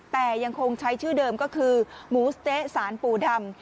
แต่ยังคงใช้ชื่อเดิมก็คือหมูสะเต๊ะสารปู่ดำ